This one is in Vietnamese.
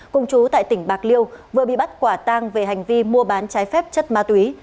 cùng chú tại tỉnh bạc liêu vừa bị bắt quả tang về hành vi mua bán trái phép chất ma túy